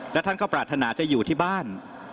และท่านก็ปรารถนาจะอยู่ที่บ้าน